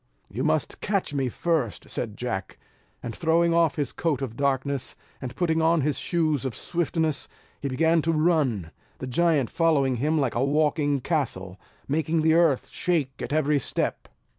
"You must catch me first," said Jack; and throwing off his coat of darkness, and putting on his shoes of swiftness, he began to run; the giant following him like a walking castle, making the earth shake at every step.